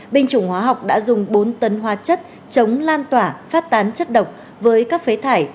binh chủng hóa học đã dùng bốn tấn hóa chất chống lan tỏa phát tán chất độc với các phế thải